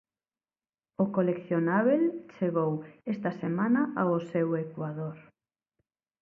O coleccionábel chegou esta semana ao seu ecuador.